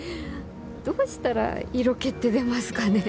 どうしたら色気って出ますかね。